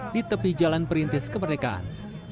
di tepi jalan perintis kemerdekaan